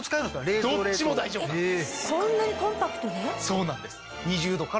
そうなんです。